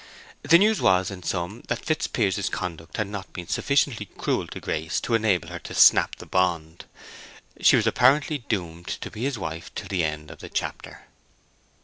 The news was, in sum, that Fitzpiers's conduct had not been sufficiently cruel to Grace to enable her to snap the bond. She was apparently doomed to be his wife till the end of the chapter.